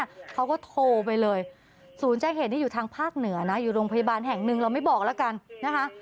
อยู่ทางภาคเหนือนะอยู่โรงพยาบาลแห่งหนึ่งเราไม่บอกแล้วกันนะคะ